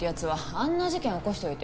あんな事件起こしといて